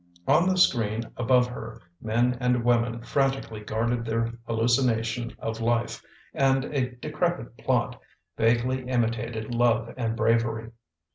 On the screen above her men and women frantically guarded their hallucination of life and a de crepit plot vaguely imitated love and bravery.